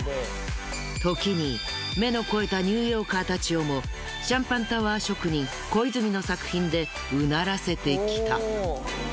時に目の肥えたニューヨーカーたちをもシャンパンタワー職人小泉の作品でうならせてきた。